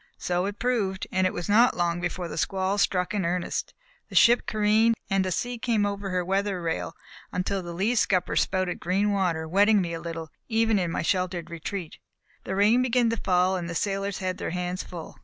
So it proved, and it was not long before the squall struck in earnest. The ship careened, and a sea came over her weather rail, until the lee scuppers spouted green water, wetting me a little, even in my sheltered retreat. The rain began to fall, and the sailors had their hands full.